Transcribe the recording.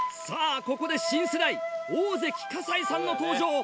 さぁここで新世代大関可西さんの登場。